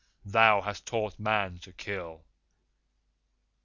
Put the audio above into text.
Thou hast taught Man to kill!